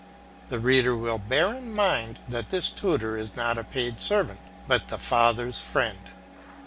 The reader will bear in mind that this tutor is not a paid servant, but the father's friend.